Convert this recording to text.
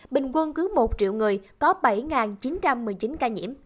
bình quân cứ một triệu người có bảy chín trăm một mươi chín ca nhiễm